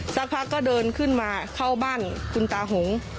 สักพักก็เดินขึ้นมาเข้าบ้านคุณตาหง